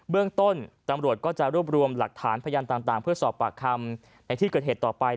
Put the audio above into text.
เรื่องต้นตำรวจก็จะรวบรวมหลักฐานพยานต่างเพื่อสอบปากคำในที่เกิดเหตุต่อไป